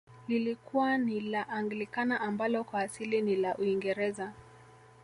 Lilikuwa ni la Anglikana ambalo kwa asili ni la uingereza